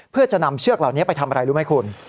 เพื่อจะนำเชือกเหล่านี้ไปทำอะไรรู้ไหมคุณ